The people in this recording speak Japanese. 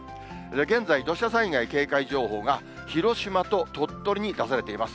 現在、土砂災害警戒情報が広島と鳥取に出されています。